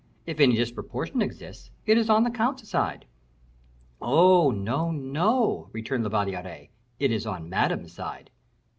If any disproportion exists, it is on the count's side." "Oh! no, no," returned La Valliere; "it is on Madame's side."